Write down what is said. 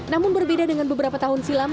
namun berbeda dengan beberapa tahun silam